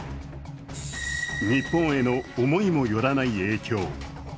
日本への思いも寄らない影響。